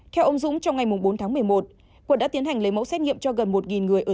theo ông dũng trong ngày bốn tháng một mươi một quận đã tiến hành lấy mẫu xét nghiệm cho gần một người ở